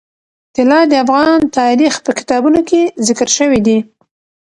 طلا د افغان تاریخ په کتابونو کې ذکر شوی دي.